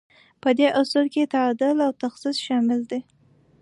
په دې اصولو کې تعادل او تخصص شامل دي.